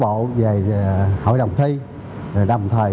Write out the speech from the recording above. ở điểm thi